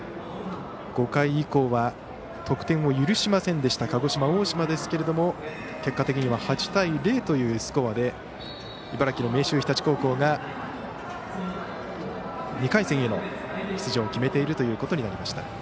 ５回以降は得点を許しませんでした鹿児島、大島ですけれども結果的には８対０というスコアで茨城、明秀日立高校が２回戦への出場を決めているということになりました。